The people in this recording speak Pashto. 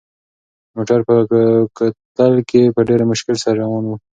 موټر په کوتل کې په ډېر مشکل سره روان و.